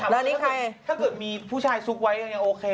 ถ้าเกิดมีผู้ชายซุ๊กไว้ยังโอเค